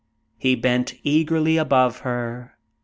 He bent eagerly above her.